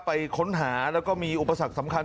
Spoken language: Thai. ไปค้นหาแล้วก็มีอุปสรรคสำคัญ